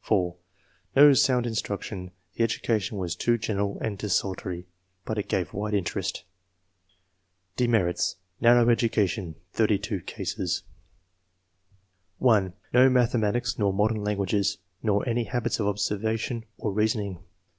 (4) No sound instruction ; the education was too general and desultory, but it gave wide interest. " PEMEKITS : NARROW EDaCATION — THXRTY TWO CASES. (1) "No mathematics nor modern languages, nor any habits of observation or reasoning."